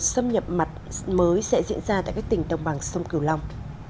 xâm nhập mặt mới sẽ diễn ra tại các tỉnh đồng bằng sông cửu long